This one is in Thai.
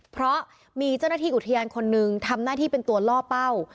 เพราะมีเจ้าหน้าที่อุทยานคนหนึ่งทำหน้าที่เป็นตัวล่อเป้า